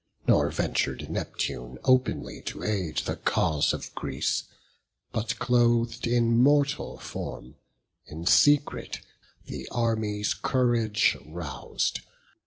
Nor ventur'd Neptune openly to aid The cause of Greece; but cloth'd in mortal form, In secret still the army's courage rous'd.